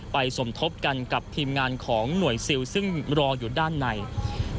สมทบกันกับทีมงานของหน่วยซิลซึ่งรออยู่ด้านใน